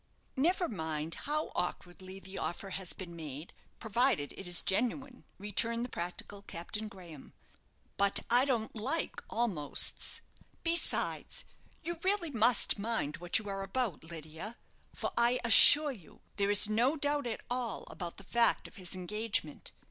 "Never mind how awkwardly the offer has been made, provided it is genuine," returned the practical Captain Graham. "But I don't like 'almosts.' Besides, you really must mind what you are about, Lydia; for I assure you there is no doubt at all about the fact of his engagement.